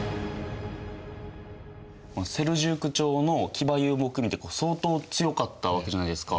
セルジューク朝の騎馬遊牧民って相当強かったわけじゃないですか。